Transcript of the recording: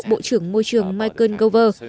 bộ trưởng môi trường michael gover